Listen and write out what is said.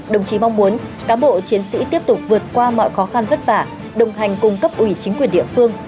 đồng chí mong muốn cám bộ chiến sĩ tiếp tục vượt qua mọi khó khăn vất vả đồng hành cùng cấp ủy chính quyền địa phương